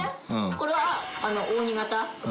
これは扇形。